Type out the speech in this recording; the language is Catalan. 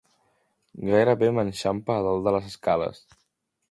Gairebé m'enxampa a dalt de les escales.